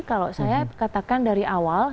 kalau saya katakan dari awal